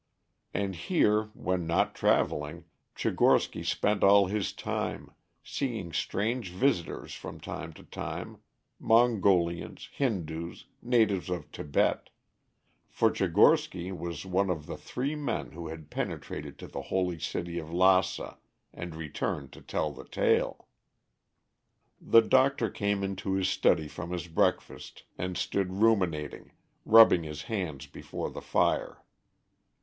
And here, when not traveling, Tchigorsky spent all his time, seeing strange visitors from time to time, Mongolians, Hindoos, natives of Tibet for Tchigorsky was one of the three men who had penetrated to the holy city of Lassa, and returned to tell the tale. The doctor came into his study from his breakfast, and stood ruminating, rubbing his hands before the fire.